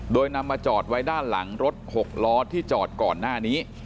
โดยนำมาจอดไว้ด้านหลังรถ๖ล้อที่จอดก่อนหน้านี้